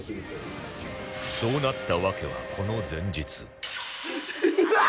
そうなった訳はこの前日うわ！